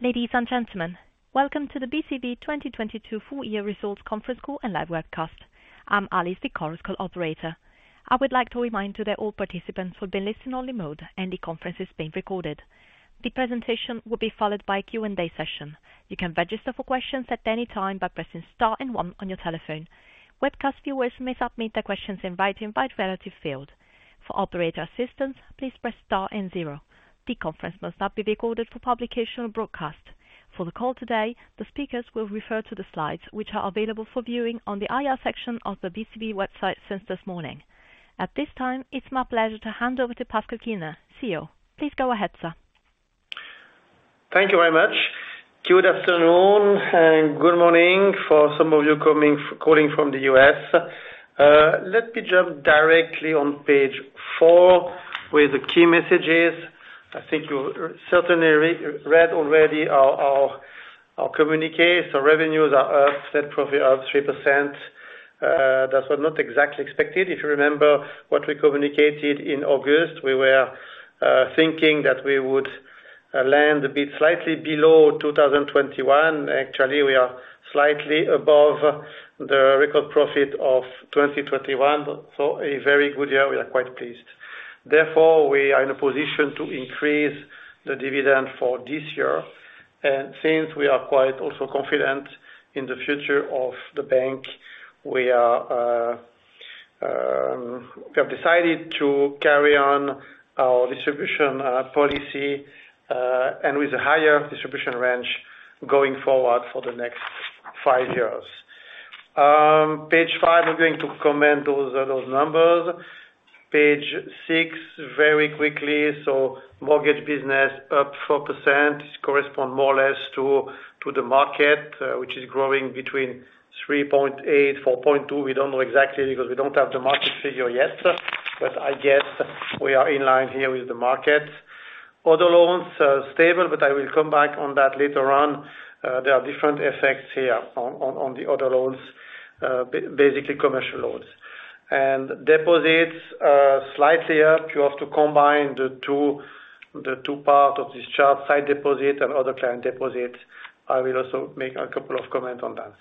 Ladies and gentlemen, welcome to the BCV 2022 full year results conference call and live webcast. I'm Alice, the conference call operator. I would like to remind you that all participants will be listen only mode and the conference is being recorded. The presentation will be followed by a Q&A session. You can register for questions at any time by pressing star 1 on your telephone. Webcast viewers may submit their questions in writing via the relative field. For operator assistance, please press star 0. The conference must not be recorded for publication or broadcast. For the call today, the speakers will refer to the slides, which are available for viewing on the IR section of the BCV website since this morning. At this time, it's my pleasure to hand over to Pascal Kiener, CEO. Please go ahead, sir. Thank you very much. Good afternoon and good morning for some of you calling from the U.S. Let me jump directly on page 4 with the key messages. I think you certainly re-read already our communication. Revenues are up, net profit up 3%. That was not exactly expected. If you remember what we communicated in August, we were thinking that we would land a bit slightly below 2021. Actually, we are slightly above the record profit of 2021. A very good year. We are quite pleased. Therefore, we are in a position to increase the dividend for this year. Since we are quite also confident in the future of the bank, we have decided to carry on our distribution policy and with a higher distribution range going forward for the next 5 years. Page 5, we're going to comment those numbers. Page 6, very quickly. Mortgage business up 4%. This correspond more or less to the market, which is growing between 3.8, 4.2. We don't know exactly because we don't have the market figure yet, but I guess we are in line here with the market. Other loans stable, but I will come back on that later on. There are different effects here on the other loans, basically commercial loans. Deposits are slightly up. You have to combine the two parts of this chart, sight deposit and other client deposits. I will also make a couple of comments on that.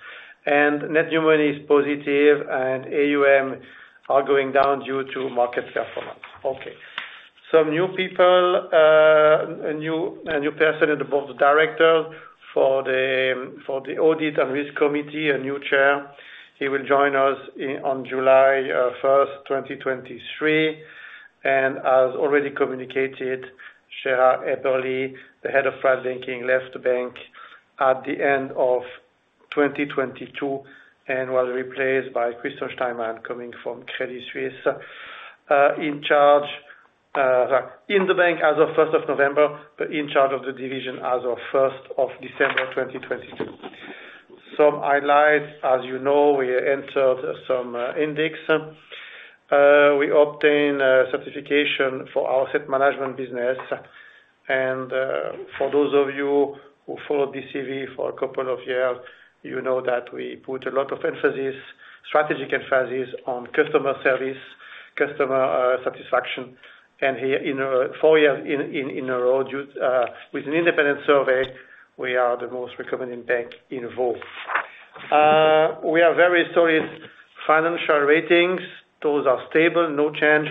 Net new money is positive and AUM are going down due to market performance. Okay. Some new people, a new person in the board of directors for the audit and risk committee, a new Chair. He will join us in on July 1st, 2023. As already communicated, Gérard Haeberli, the Head of Private Banking, left the bank at the end of 2022 and was replaced by Christian Steinmann coming from Credit Suisse. In charge in the bank as of 1st of November, but in charge of the division as of 1st of December 2022. Some highlights, as you know, we entered some index. We obtained a certification for our asset management business. For those of you who followed BCV for a couple of years, you know that we put a lot of emphasis, strategic emphasis on customer service, customer satisfaction. Here in, four years in a row, with an independent survey, we are the most recommended bank involved. We are very solid financial ratings. Those are stable, no change.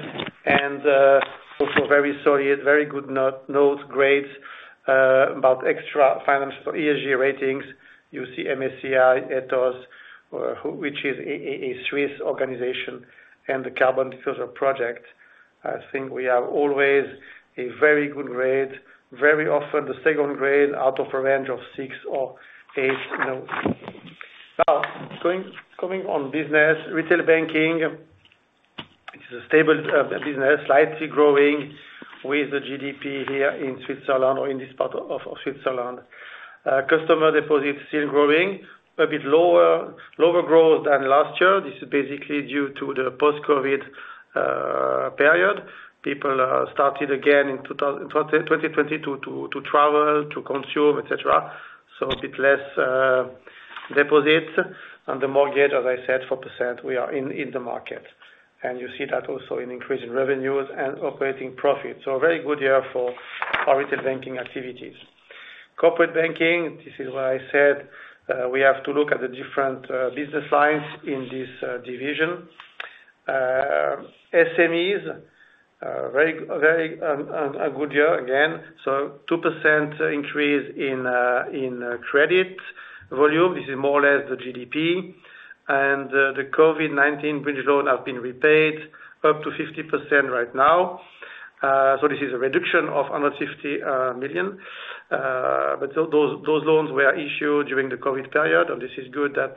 Also very solid, very good no-notes, grades about extra financial ESG ratings. You see MSCI, Ethos, which is a Swiss organization and the Carbon Disclosure Project. I think we have always a very good grade, very often the second grade out of a range of six or eight, you know. Coming on business, retail banking is a stable business, slightly growing with the GDP here in Switzerland or in this part of Switzerland. Customer deposits still growing a bit lower growth than last year. This is basically due to the post-COVID period. People started again in 2020 to travel, to consume, et cetera. A bit less deposits. On the mortgage, as I said, 4% we are in the market. You see that also in increase in revenues and operating profits. A very good year for our retail banking activities. Corporate banking, this is why I said, we have to look at the different business lines in this division. SMEs, a very good year again. 2% increase in credit volume. This is more or less the GDP. The COVID-19 bridge loan has been repaid up to 50% right now. This is a reduction of 150 million. Those loans were issued during the COVID period, and this is good that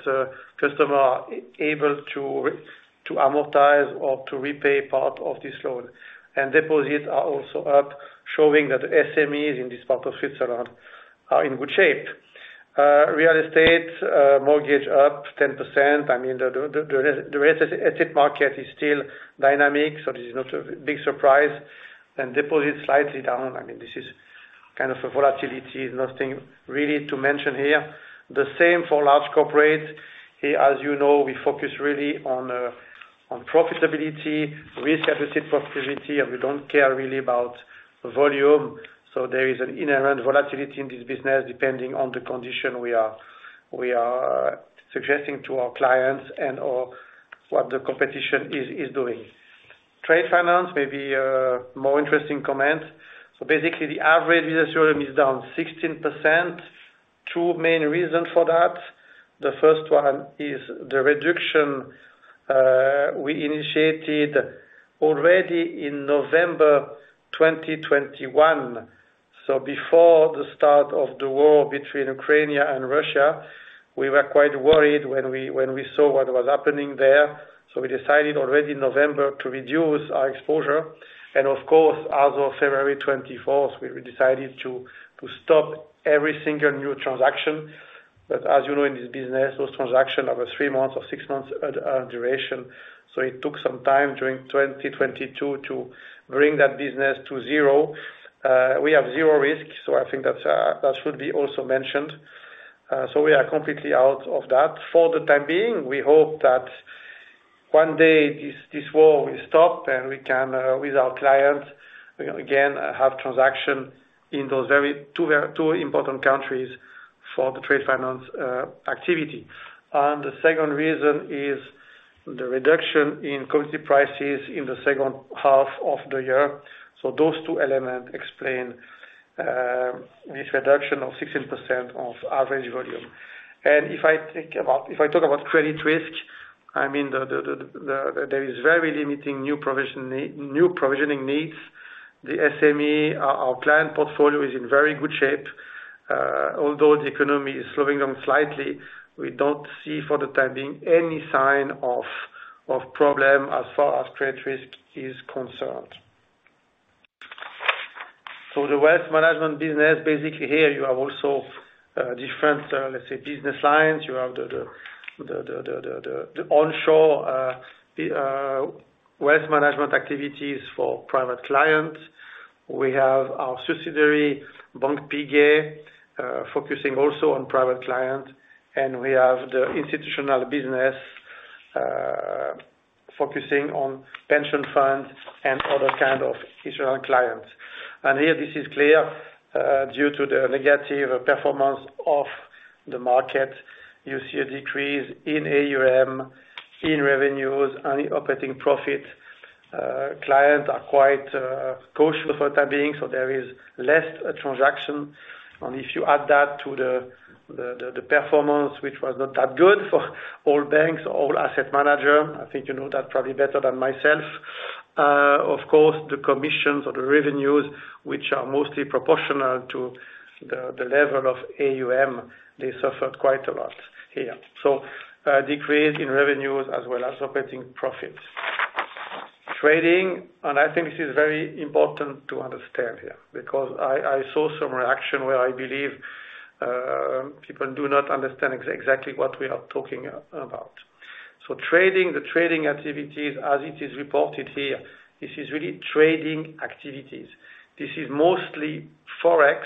customer are able to amortize or to repay part of this loan. Deposits are also up, showing that the SMEs in this part of Switzerland are in good shape. Real estate mortgage up 10%. I mean, the real estate market is still dynamic, so this is not a big surprise. Deposits slightly down. I mean, this is kind of a volatility, nothing really to mention here. The same for large corporate. Here, as you know, we focus really on profitability, risk-adjusted profitability, and we don't care really about volume. There is an inherent volatility in this business, depending on the condition we are suggesting to our clients and/or what the competition is doing. Trade finance may be a more interesting comment. Basically, the average user volume is down 16%. Two main reasons for that. The first one is the reduction we initiated already in November 2021. Before the start of the war between Ukraine and Russia, we were quite worried when we saw what was happening there. We decided already in November to reduce our exposure. Of course, as of February 24th, we decided to stop every single new transaction. As you know, in this business, those transactions over 3 months or 6 months duration. It took some time during 2022 to bring that business to zero. We have zero risk, so I think that should be also mentioned. We are completely out of that. For the time being, we hope that one day this war will stop, and we can, with our clients, again, have transaction in those very two important countries for the trade finance activity. The second reason is the reduction in currency prices in the second half of the year. Those two elements explain this reduction of 16% of average volume. If I talk about credit risk, I mean, there is very limiting new provisioning needs. The SME, our client portfolio is in very good shape. Although the economy is slowing down slightly, we don't see for the time being any sign of problem as far as credit risk is concerned. The wealth management business, basically here you have also, different, let's say, business lines. You have the onshore, the wealth management activities for private clients. We have our subsidiary, Banque Piguet, focusing also on private clients, and we have the institutional business, focusing on pension funds and other kind of institutional clients. Here, this is clear, due to the negative performance of the market, you see a decrease in AUM, in revenues, and operating profit. Clients are quite cautious for the time being, so there is less transaction. If you add that to the performance, which was not that good for all banks, all asset manager, I think you know that probably better than myself. Of course, the commissions or the revenues, which are mostly proportional to the level of AUM, they suffered quite a lot here. A decrease in revenues as well as operating profits. Trading, and I think this is very important to understand here, because I saw some reaction where I believe people do not understand exactly what we are talking about. Trading, the trading activities, as it is reported here, this is really trading activities. This is mostly Forex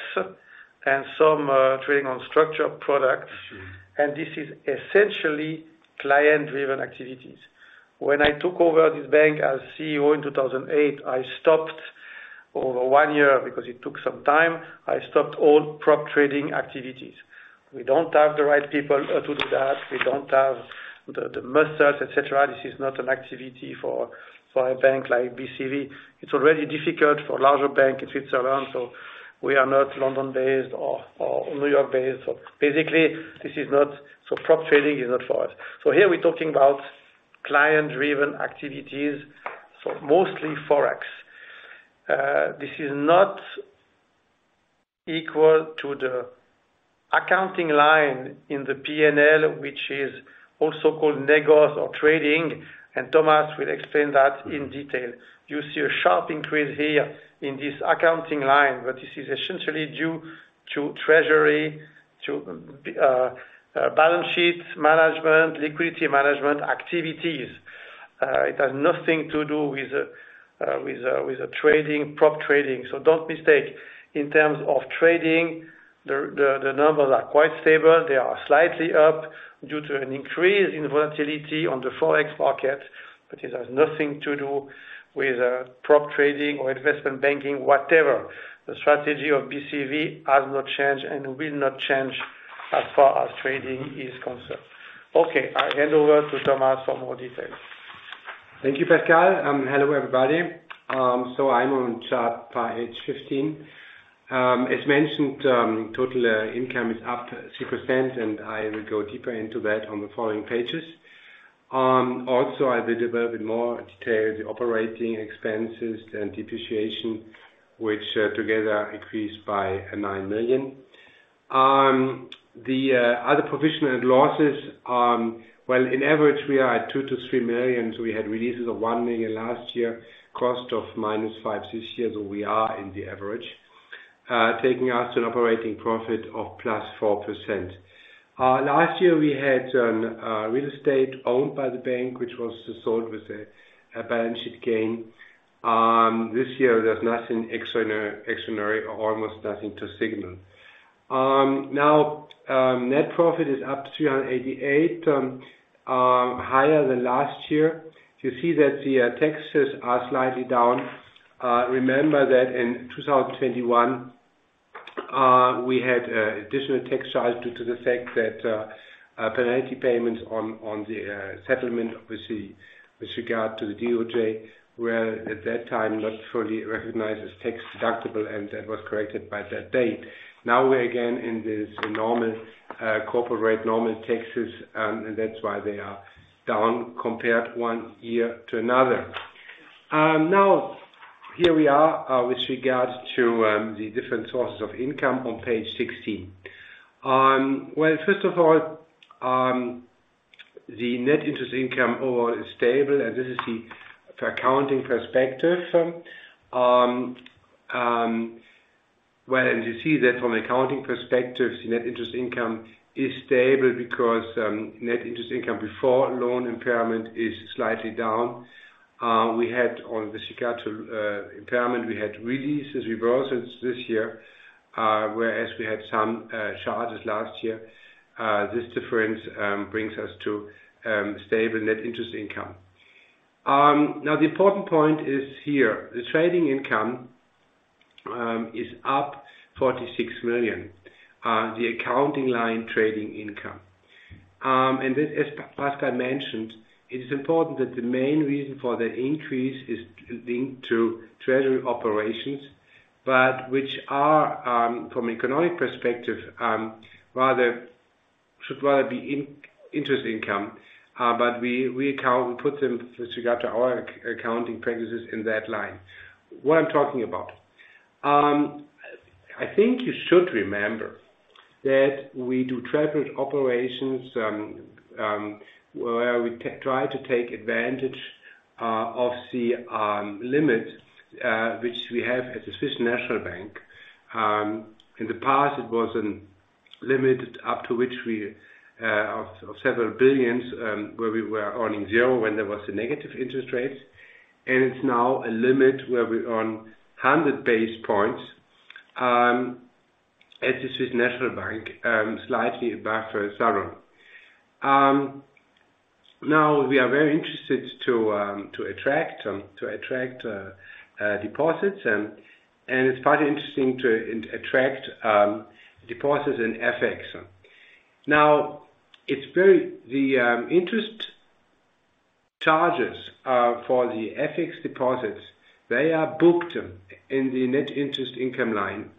and some trading on structured products. This is essentially client-driven activities. When I took over this bank as CEO in 2008, I stopped over one year, because it took some time, I stopped all prop trading activities. We don't have the right people to do that. We don't have the muscles, et cetera. This is not an activity for a bank like BCV. It's already difficult for larger banks in Switzerland, we are not London-based or New York-based. prop trading is not for us. Here we're talking about client-driven activities, mostly Forex. This is not equal to the accounting line in the P&L, which is also called négoce or trading, Thomas will explain that in detail. You see a sharp increase here in this accounting line, this is essentially due to treasury, to balance sheets management, liquidity management activities. It has nothing to do with trading, prop trading. Don't mistake. In terms of trading, the numbers are quite stable. They are slightly up due to an increase in volatility on the Forex market, but it has nothing to do with prop trading or investment banking, whatever. The strategy of BCV has not changed and will not change as far as trading is concerned. Okay, I hand over to Thomas for more details. Thank you, Pascal. Hello, everybody. I'm on chart page 15. As mentioned, total income is up 6%, I will go deeper into that on the following pages. I will develop in more detail the operating expenses and depreciation, which together increased by 9 million. The other provision and losses, well, in average, we are at 2 million-3 million. We had releases of 1 million last year, cost of -5 million this year, we are in the average, taking us to an operating profit of +4%. Last year we had real estate owned by the bank, which was sold with a balance sheet gain. This year there's nothing extraordinary or almost nothing to signal. Now, net profit is up to 388 million higher than last year. You see that the taxes are slightly down. Remember that in 2021, we had additional tax charges due to the fact that a penalty payment on the settlement with regard to the DOJ, were at that time not fully recognized as tax-deductible, and that was corrected by that date. Now we're again in this normal corporate rate, normal taxes, and that's why they are down compared one year to another. Now here we are with regards to the different sources of income on page 16. Well, first of all, the net interest income overall is stable, and this is the accounting perspective. You see that from accounting perspective, net interest income is stable because net interest income before loan impairment is slightly down. We had on the Chicago impairment, we had releases, reversals this year, whereas we had some charges last year. This difference brings us to stable net interest income. Now the important point is here, the trading income is up 46 million, the accounting line trading income. As Pascal mentioned, it is important that the main reason for the increase is linked to treasury operations, but which are from an economic perspective, should rather be in-interest income, but we put them with regard to our accounting practices in that line. What I'm talking about. I think you should remember that we do treasury operations, where we try to take advantage of the limits which we have at the Swiss National Bank. In the past, it was an limit up to which we of several billion CHF where we were earning zero when there was a negative interest rates. It's now a limit where we earn 100 basis points at the Swiss National Bank, slightly above sovereign. Now we are very interested to attract deposits, and it's quite interesting to attract deposits in FX. The interest charges for the FX deposits, they are booked in the net interest income line,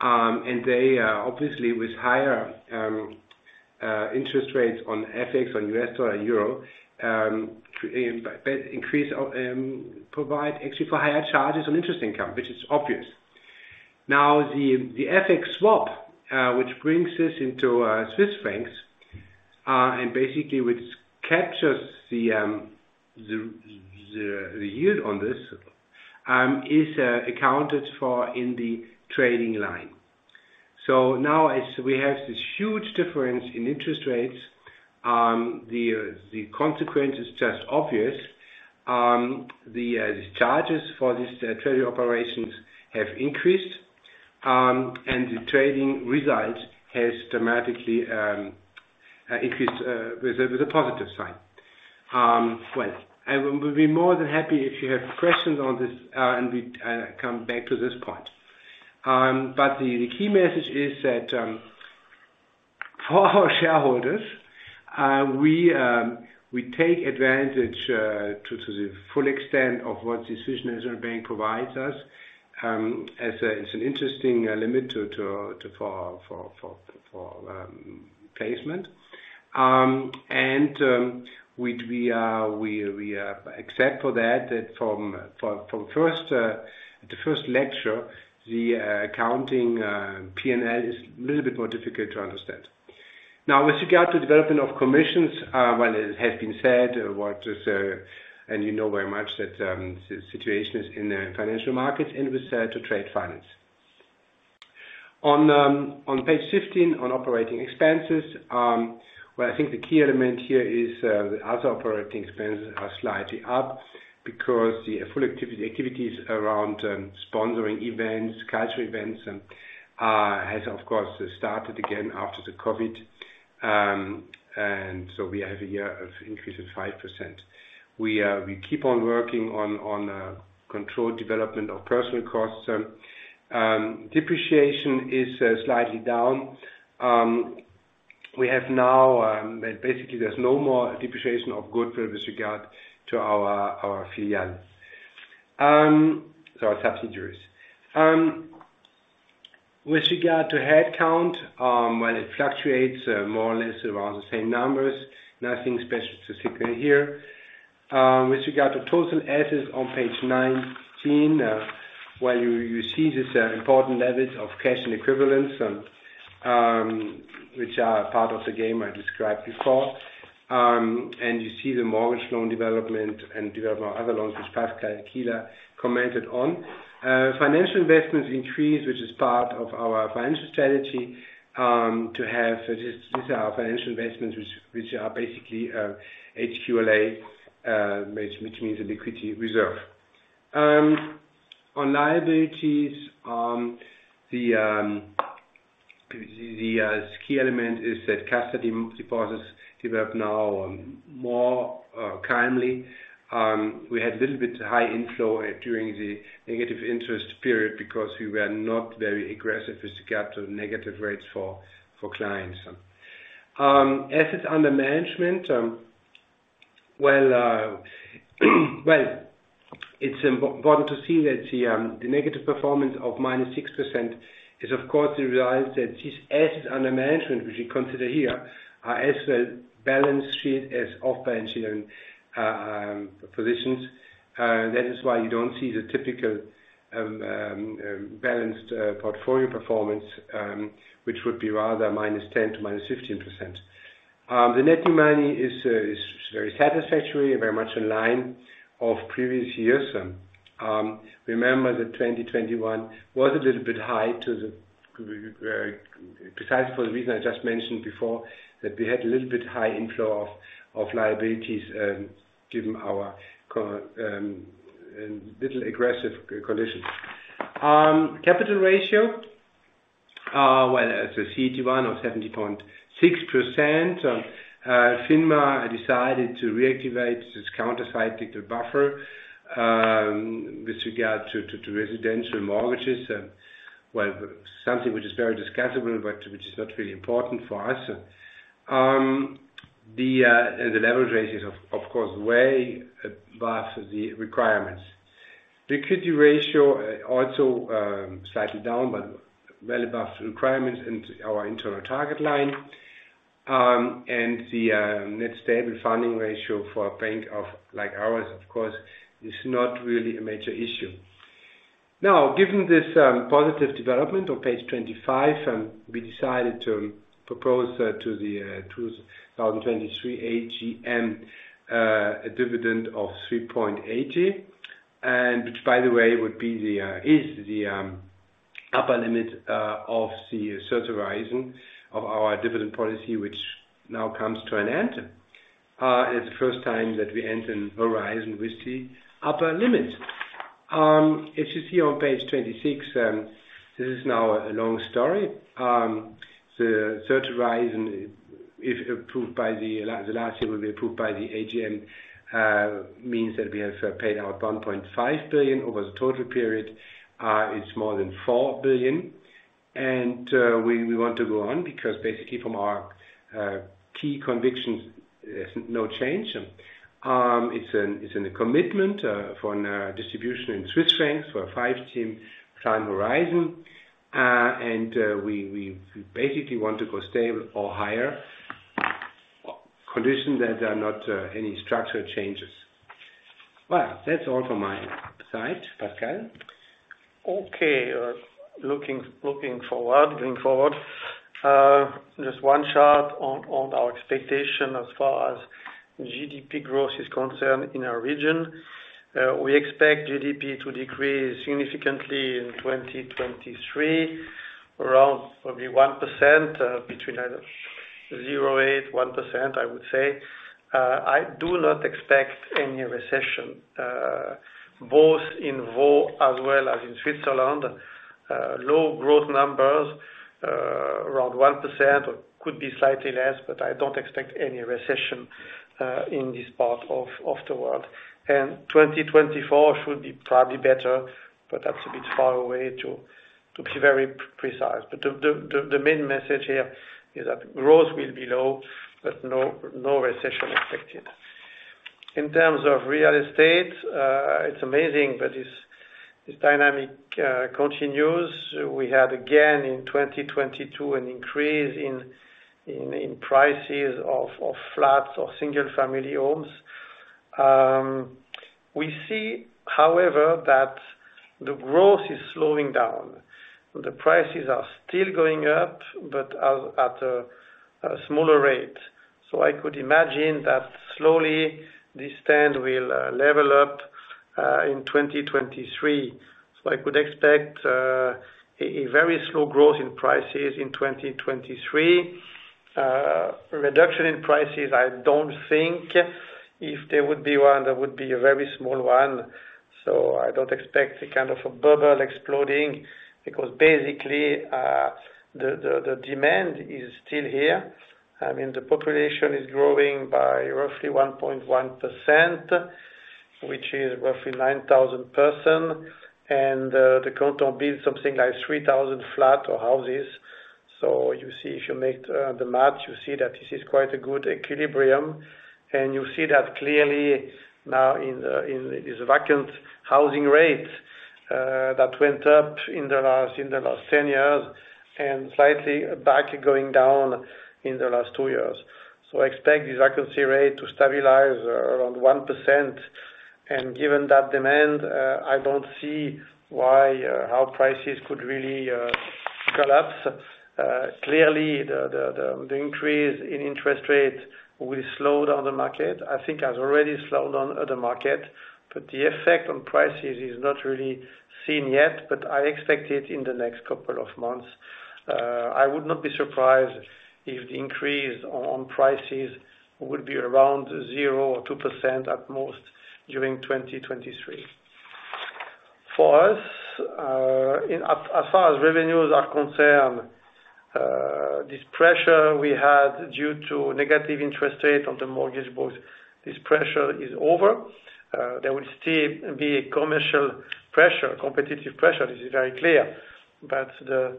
and they are obviously with higher interest rates on FX, on US dollar and euro, increase of, provide actually for higher charges on interest income, which is obvious. The FX swap, which brings this into Swiss francs, and basically, which captures the yield on this, is accounted for in the trading line. As we have this huge difference in interest rates, the consequence is just obvious. The charges for these treasury operations have increased, and the trading result has dramatically increased with a positive sign. Well, I will be more than happy if you have questions on this, and we come back to this point. The key message is that for our shareholders, we take advantage to the full extent of what the Swiss National Bank provides us as an interesting limit to for placement. Which we are except for that from first, the first lecture, the accounting P&L is a little bit more difficult to understand. Now with regard to development of commissions, well, it has been said what is. You know very much that situations in the financial markets and with to trade finance. On page 15 on operating expenses, well, I think the key element here is the other operating expenses are slightly up because the full activities around sponsoring events, cultural events and has of course, started again after the COVID. We have a year of increase of 5%. We keep on working on controlled development of personal costs. Depreciation is slightly down. We have now, basically, there's no more depreciation of goodwill with regard to our filial. Our subsidiaries. With regard to head count, well it fluctuates more or less around the same numbers. Nothing special to signal here. With regard to total assets on page 19, you see this important levels of cash and equivalents and which are part of the game I described before. You see the mortgage loan development and development of other loans, which Pascal Kiener commented on. Financial investments increase, which is part of our financial strategy to have our financial investments, which are basically HQLA, which means liquidity reserve. On liabilities, the key element is that custody deposits develop now more kindly. We had a little bit high inflow during the negative interest period because we were not very aggressive with regard to negative rates for clients. Assets under management, well, well, it's important to see that the negative performance of -6% is of course realized that these assets under management, which we consider here, are as a balance sheet, as off-balance sheet positions. That is why you don't see the typical balanced portfolio performance, which would be rather -10% to -15%. The net new money is very satisfactory, very much in line of previous years. Remember that 2021 was a little bit high to the very precise for the reason I just mentioned before, that we had a little bit high inflow of liabilities, given our little aggressive conditions. Capital ratio, well, as a CET1 of 70.6%, FINMA decided to reactivate this countercyclical buffer with regard to residential mortgages. Well, something which is very discussable, but which is not really important for us. The leverage ratio of course, way above the requirements. Liquidity ratio also, slightly down, but well above requirements and our internal target line. The net stable funding ratio for a bank of like ours, of course, is not really a major issue. Given this positive development on page 25, we decided to propose to the 2023 AGM a dividend of 3.80, which by the way, is the upper limit of the third horizon of our dividend policy which now comes to an end. It's the first time that we end an horizon with the upper limit. As you see on page 26, this is now a long story. The third horizon, if approved by the last year will be approved by the AGM, means that we have paid out 1.5 billion over the total period. It's more than 4 billion. We want to go on because basically from our key convictions, there's no change. It's in a commitment for a distribution in CHF for a 5-team time horizon. We basically want to go stable or higher condition that there are not any structural changes. Well, that's all from my side. Pascal? Okay. Looking forward, going forward. Just one chart on our expectation as far as GDP growth is concerned in our region. We expect GDP to decrease significantly in 2023, around probably 1%, between either 0.8, 1%, I would say. I do not expect any recession, both in Vaud as well as in Switzerland. Low growth numbers, around 1% or could be slightly less, but I don't expect any recession in this part of the world. 2024 should be probably better, but that's a bit far away to be very precise. The main message here is that growth will be low, but no recession expected. In terms of real estate, it's amazing that this dynamic continues. We had again in 2022 an increase in prices of flats or single family homes. We see, however, that the growth is slowing down. The prices are still going up, but at a smaller rate. I could imagine that slowly this trend will level up in 2023. I could expect a very slow growth in prices in 2023. Reduction in prices, I don't think. If there would be one, there would be a very small one. I don't expect a kind of a bubble exploding because basically, the demand is still here. I mean, the population is growing by roughly 1.1%, which is roughly 9,000 persons. The canton builds something like 3,000 flats or houses. You see, if you make the math, you see that this is quite a good equilibrium. You see that clearly now in this vacant housing rate that went up in the last 10 years, and slightly back going down in the last two years. Expect this vacancy rate to stabilize around 1%. Given that demand, I don't see why how prices could really collapse. Clearly the increase in interest rates will slow down the market. I think has already slowed down the market, but the effect on prices is not really seen yet, but I expect it in the next couple of months. I would not be surprised if the increase on prices would be around 0% or 2% at most during 2023. For us, as far as revenues are concerned, this pressure we had due to negative interest rate on the mortgage books, this pressure is over. There will still be a commercial pressure, competitive pressure, this is very clear. The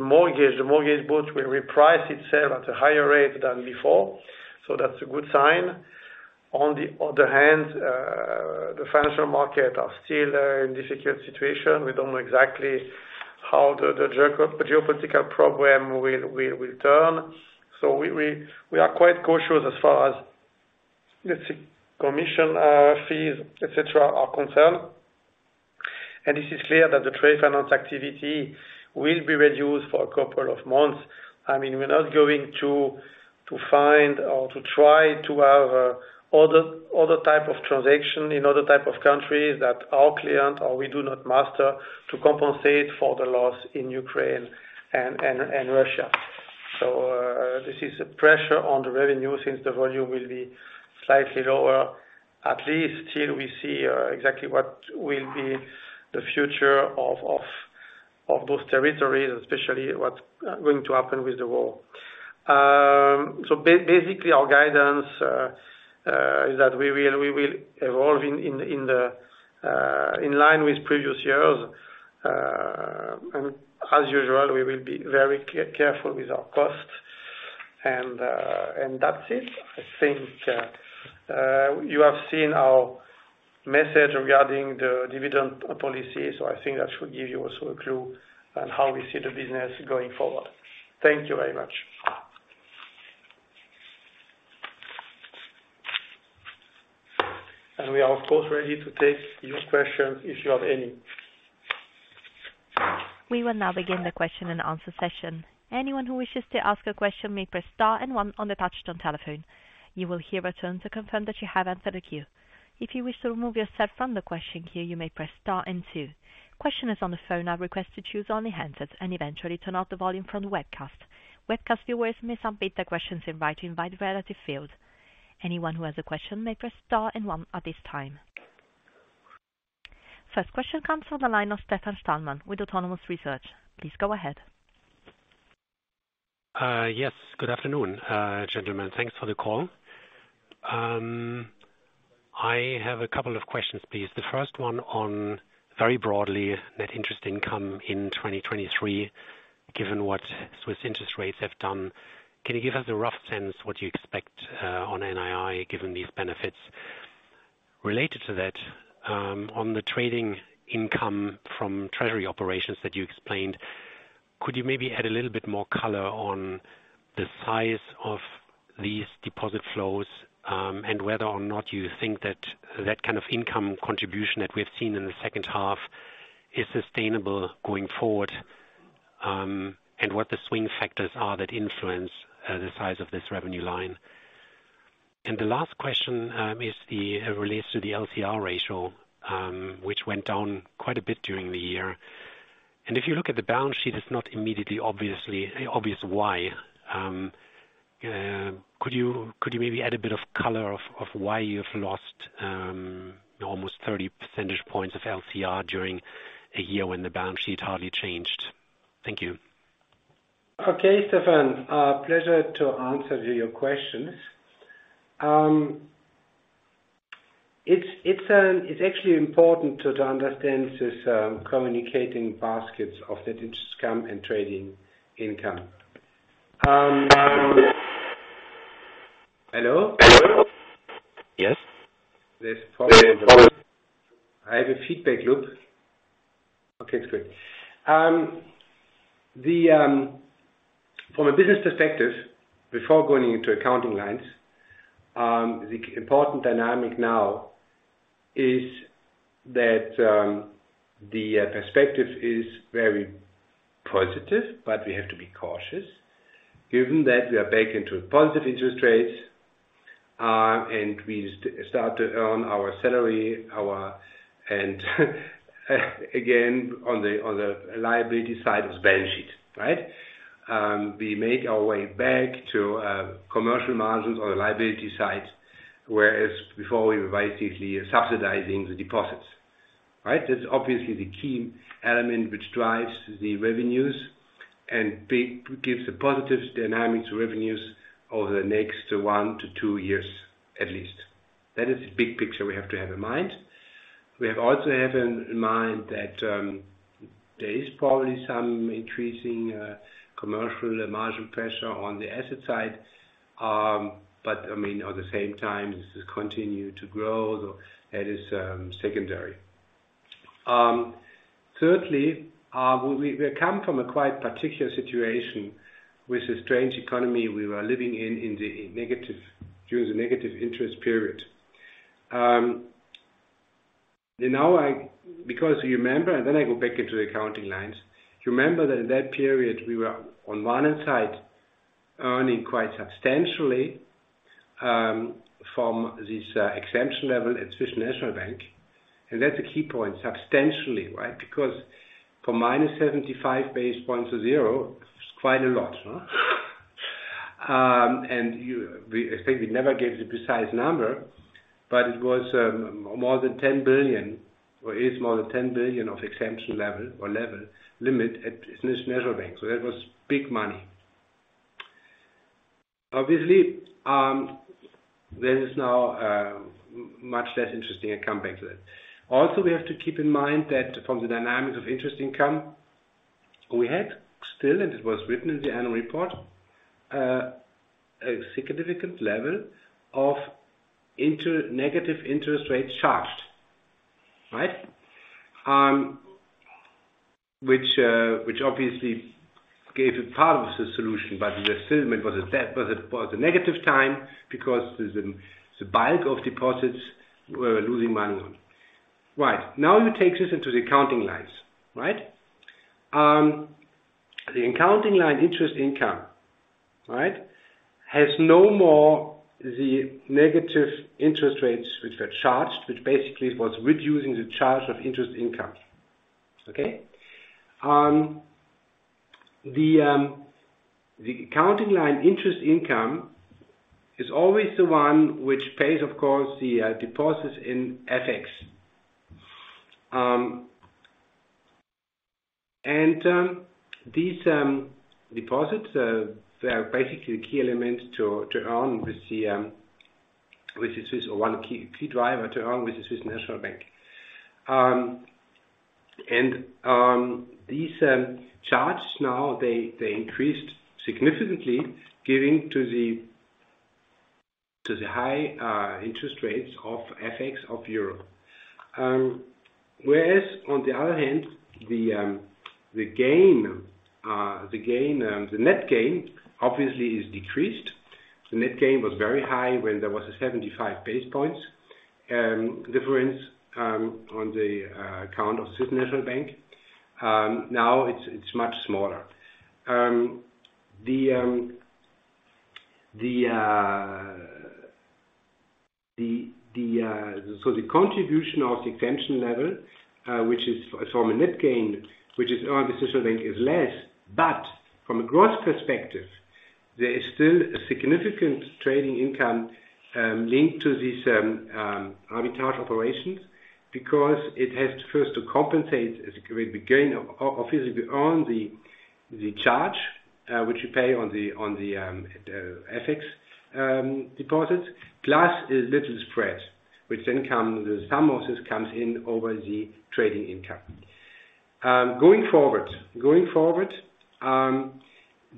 mortgage book will reprice itself at a higher rate than before, so that's a good sign. On the other hand, the financial market are still in difficult situation. We don't know exactly how the geopolitical problem will turn. We are quite cautious as far as the commission fees, et cetera are concerned. It is clear that the trade finance activity will be reduced for a couple of months. I mean, we're not going to find or to try to have other type of transaction in other type of countries that our client or we do not master to compensate for the loss in Ukraine and Russia. This is a pressure on the revenue since the volume will be slightly lower, at least till we see exactly what will be the future of those territories, especially what's going to happen with the war. Basically, our guidance is that we will evolve in the in line with previous years. As usual, we will be very careful with our costs. That's it. I think, you have seen our message regarding the dividend policy, so I think that should give you also a clue on how we see the business going forward. Thank you very much. We are of course, ready to take your questions, if you have any. We will now begin the question and answer session. Anyone who wishes to ask a question may press star and one on the touchtone telephone. You will hear a tone to confirm that you have entered the queue. If you wish to remove yourself from the question queue, you may press star and two. Questioners on the phone are requested to choose only handsets and eventually turn off the volume from the webcast. Webcast viewers may submit their questions in writing by the relative field. Anyone who has a question may press star and one at this time. First question comes from the line of Stefan Stalmann with Autonomous Research. Please go ahead. Yes. Good afternoon, gentlemen. Thanks for the call. I have a couple of questions, please. The first one on, very broadly, net interest income in 2023, given what Swiss interest rates have done. Can you give us a rough sense what you expect on NII, given these benefits? Related to that, on the trading income from treasury operations that you explained, could you maybe add a little bit more color on the size of these deposit flows, and whether or not you think that that kind of income contribution that we've seen in the second half is sustainable going forward, and what the swing factors are that influence the size of this revenue line? The last question, it relates to the LCR ratio, which went down quite a bit during the year. if you look at the balance sheet, it's not immediately obvious why. Could you maybe add a bit of color of why you've lost almost 30 percentage points of LCR during a year when the balance sheet hardly changed? Thank you. Okay, Stefan, pleasure to answer your questions. It's actually important to understand this, communicating baskets of net interest income and trading income. Hello? Yes. I have a feedback loop. Okay, it's good. From a business perspective, before going into accounting lines, the important dynamic now is that the perspective is very positive, but we have to be cautious. Given that we are back into positive interest rates, and we start to earn our salary, and again, on the liability side of the balance sheet, right? We make our way back to commercial margins on the liability side, whereas before we were basically subsidizing the deposits. Right? That's obviously the key element which drives the revenues and gives a positive dynamic to revenues over the next 1 to 2 years, at least. That is the big picture we have to have in mind. We also have in mind that there is probably some increasing commercial margin pressure on the asset side. I mean, at the same time, this is continue to grow, so that is secondary. Thirdly, we come from a quite particular situation with the strange economy we were living in during the negative interest period. Now because you remember, and then I go back into the accounting lines. You remember that in that period, we were on one side earning quite substantially From this exemption level at Swiss National Bank. That's a key point, substantially, right? Because from -75 basis points to zero, it's quite a lot, huh? I think we never gave the precise number, but it was more than 10 billion, or is more than 10 billion of exemption level or level limit at Swiss National Bank. That was big money. Obviously, there is now much less interesting, I come back to that. We have to keep in mind that from the dynamics of interest income, we had still, and it was written in the annual report, a significant level of negative interest rates charged, right? Which obviously gave a part of the solution, but it was a negative time because the bulk of deposits were losing money on. Right. You take this into the accounting lines, right? The accounting line Interest income, right, has no more the negative interest rates which were charged, which basically was reducing the charge of Interest income. Okay? The accounting line Interest income is always the one which pays, of course, the deposits in FX. And these deposits they are basically the key element to earn with the Swiss National Bank or one key driver to earn with the Swiss National Bank. And these charges now increased significantly giving to the high interest rates of FX of Europe. Whereas on the other hand, the gain, the net gain obviously is decreased. The net gain was very high when there was a 75 basis points difference on the account of Swiss National Bank. Now it's much smaller. The contribution of the exemption level, which is from a net gain, which is earned by Swiss National Bank is less. From a growth perspective, there is still a significant trading income linked to these arbitrage operations because it has first to compensate the gain of, obviously, on the charge, which you pay on the FX deposits, plus a little spread, which then some of this comes in over the trading income. Going forward,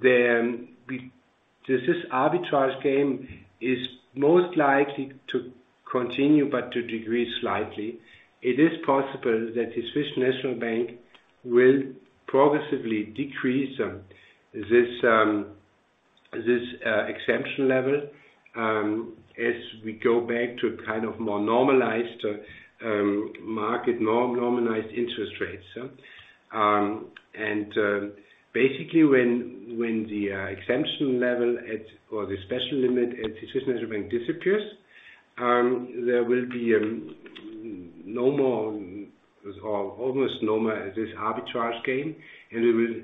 this arbitrage game is most likely to continue but to decrease slightly. It is possible that the Swiss National Bank will progressively decrease this exemption level as we go back to a kind of more normalized interest rates. Basically, when the exemption level or the special limit at Swiss National Bank disappears, there will be no more or almost no more this arbitrage game, and we will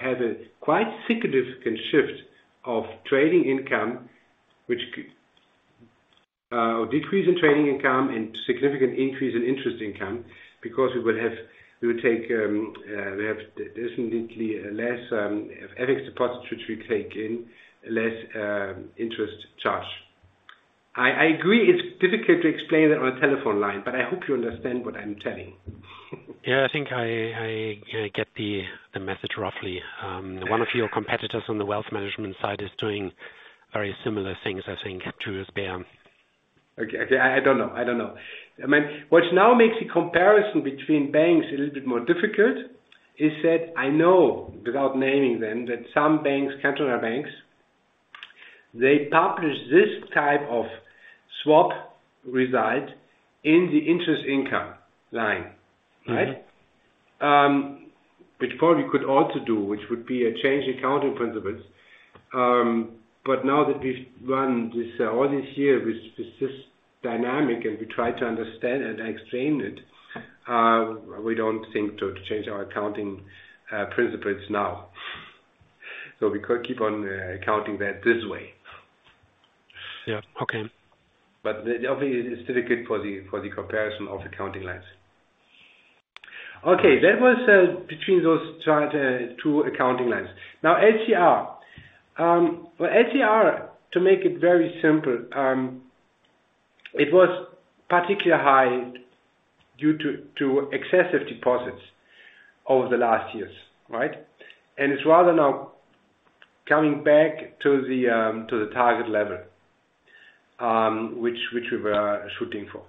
have a quite significant shift of trading income, or decrease in trading income and significant increase in interest income because we will take, we have definitely less FX deposits which we take in, less interest charge. I agree it's difficult to explain it on a telephone line. I hope you understand what I'm telling. Yeah. I think I get the message roughly. One of your competitors on the wealth management side is doing very similar things, I think, to UBS. Okay. I don't know. I don't know. I mean, what now makes the comparison between banks a little bit more difficult is that I know, without naming them, that some banks, cantonal banks, they publish this type of swap result in the interest income line, right? Which probably we could also do, which would be a change in accounting principles. Now that we've run all this year with this dynamic, and we try to understand and explain it, we don't think to change our accounting principles now. We could keep on accounting that this way. Yeah. Okay. Obviously it's difficult for the comparison of accounting lines. Okay. That was between those two accounting lines. Now, LCR. Well, LCR, to make it very simple, it was particularly high due to excessive deposits over the last years, right? And it's rather now coming back to the target level, which we were shooting for.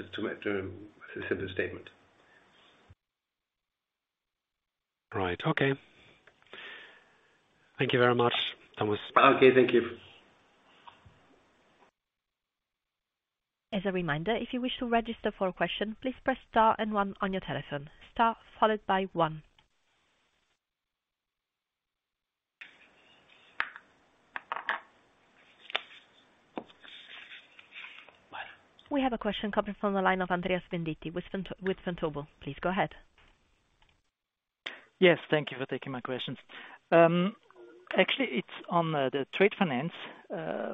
Just to set the statement. Right. Okay. Thank you very much. Okay. Thank you. As a reminder, if you wish to register for a question, please press star and one on your telephone. Star followed by one. We have a question coming from the line of Andreas Venditti with Vontobel. Please go ahead. Yes, thank you for taking my questions. actually, it's on the trade finance,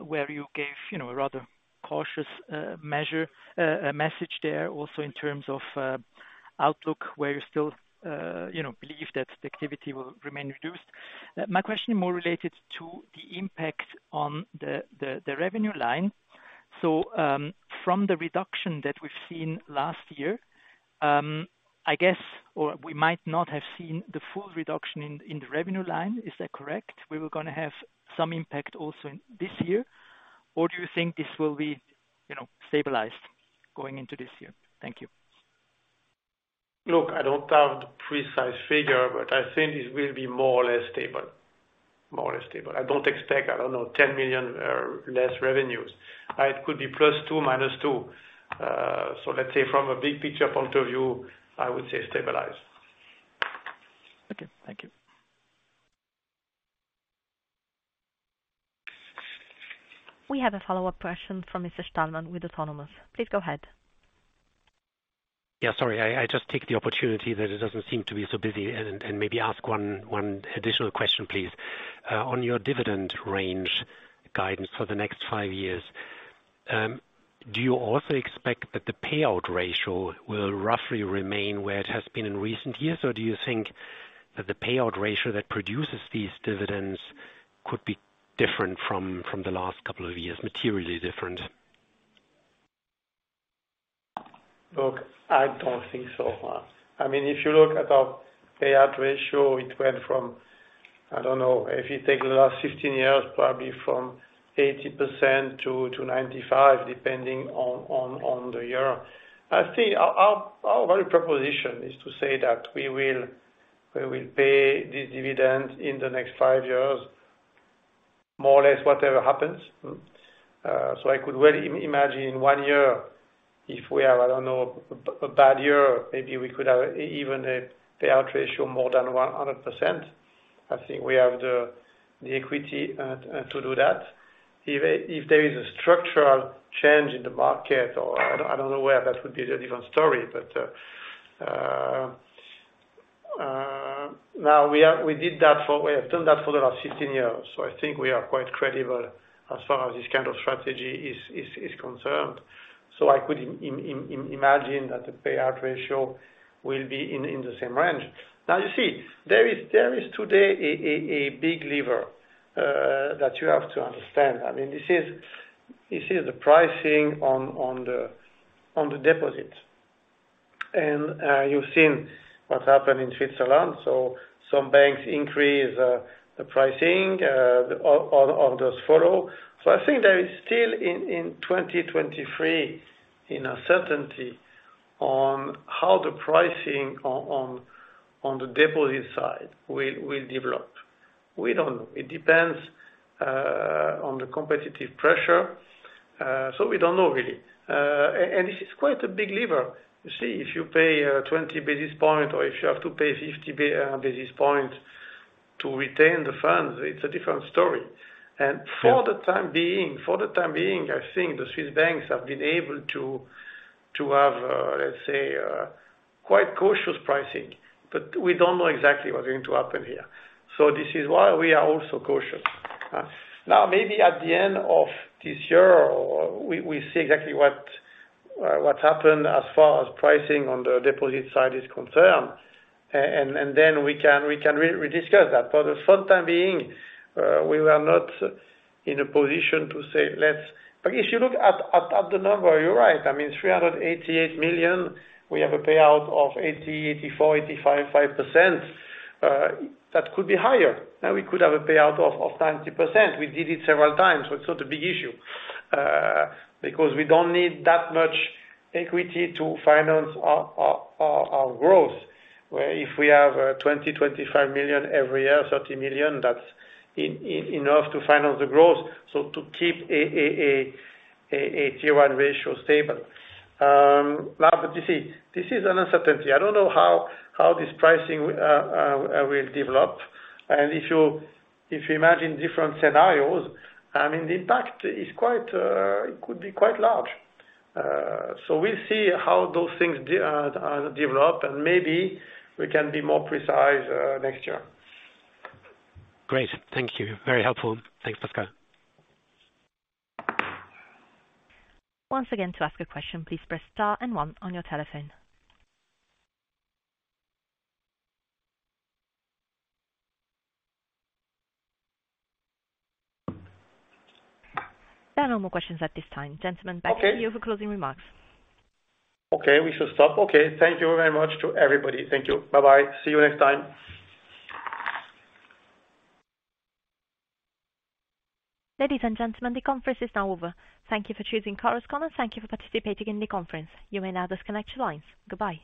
where you gave, you know, a rather cautious measure message there also in terms of outlook, where you still, you know, believe that the activity will remain reduced. My question more related to the impact on the revenue line. From the reduction that we've seen last year, I guess or we might not have seen the full reduction in the revenue line. Is that correct? We were gonna have some impact also in this year, or do you think this will be, you know, stabilized going into this year? Thank you. Look, I don't have the precise figure, but I think it will be more or less stable. More or less stable. I don't expect, I don't know, 10 million or less revenues. It could be +2 million, -2 million. Let's say from a big picture point of view, I would say stabilized. Okay, thank you. We have a follow-up question from Mr. Stalmann with Autonomous. Please go ahead. Yeah, sorry. I just take the opportunity that it doesn't seem to be so busy and maybe ask one additional question, please. On your dividend range guidance for the next five years, do you also expect that the payout ratio will roughly remain where it has been in recent years? Do you think that the payout ratio that produces these dividends could be different from the last couple of years, materially different? Look, I don't think so. I mean, if you look at our payout ratio, it went from, I don't know, if you take the last 15 years, probably from 80% to 95, depending on the year. I think our very proposition is to say that we will pay these dividends in the next five years, more or less, whatever happens. I could well imagine in one year if we have, I don't know, a bad year, maybe we could have even a payout ratio more than 100%. I think we have the equity to do that. If there is a structural change in the market or I don't know where that would be as a different story. Now we have. We did that for. We have done that for the last 16 years, I think we are quite credible as far as this kind of strategy is concerned. I could imagine that the payout ratio will be in the same range. Now you see, there is today a big lever that you have to understand. I mean, this is the pricing on the deposits. You've seen what happened in Switzerland, some banks increase the pricing, all those follow. I think there is still in 2023 an uncertainty on how the pricing on the deposit side will develop. We don't know. It depends on the competitive pressure. We don't know really. And this is quite a big lever. You see, if you pay 20 basis points or if you have to pay 50 basis points to retain the funds, it's a different story. For the time being, I think the Swiss banks have been able to have, let's say, quite cautious pricing. We don't know exactly what's going to happen here. This is why we are also cautious. Now, maybe at the end of this year or we see exactly what happened as far as pricing on the deposit side is concerned, and then we can re-discuss that. For the time being, we were not in a position to say let's... If you look at the number, you're right. I mean, 388 million, we have a payout of 80%, 84%, 85%, 5%. That could be higher. Now, we could have a payout of 90%. We did it several times, so it's not a big issue because we don't need that much equity to finance our growth, where if we have 20-25 million every year, 30 million, that's enough to finance the growth. To keep a Tier 1 ratio stable. Now but you see, this is an uncertainty. I don't know how this pricing will develop. If you imagine different scenarios, I mean, the impact is quite, it could be quite large. We'll see how those things develop, and maybe we can be more precise next year. Great. Thank you. Very helpful. Thanks, Pascal. Once again, to ask a question, please press star 1 on your telephone. There are no more questions at this time. Gentlemen. Okay. Back to you for closing remarks. Okay, we should stop. Okay. Thank you very much to everybody. Thank you. Bye-bye. See you next time. Ladies and gentlemen, the conference is now over. Thank you for choosing Chorus Call, and thank you for participating in the conference. You may now disconnect your lines. Goodbye.